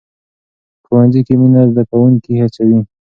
په ښوونځي کې مینه زده کوونکي هڅوي.